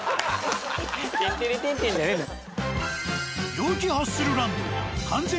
テンテレテンテンじゃないよ。